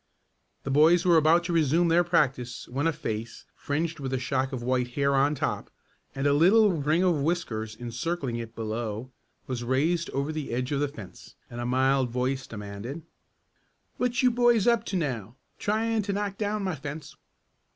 The boys were about to resume their practice when a face, fringed with a shock of white hair on top, and a little ring of whiskers encircling it below, was raised over the edge of the fence, and a mild voice demanded: "What you boys up to now tryin' to knock down my fence?"